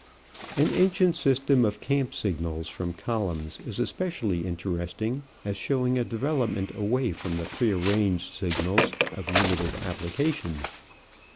An ancient system of camp signals from columns is especially interesting as showing a development away from the prearranged signals of limited application.